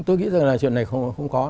tôi nghĩ rằng là chuyện này không có